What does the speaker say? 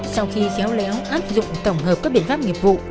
sau khi dẻo lẽo áp dụng tổng hợp các biện pháp nghiệp vụ